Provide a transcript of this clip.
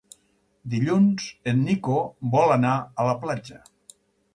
Dilluns en Nico vol anar a la platja.